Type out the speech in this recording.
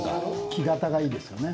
木型がいいですよね。